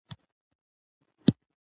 موږ باید له اسراف څخه ځان وساتو.